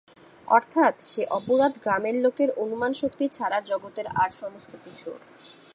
অর্থাৎ সে অপরাধ গ্রামের লোকের অনুমানশক্তি ছাড়া জগতের আর সমস্ত কিছুর।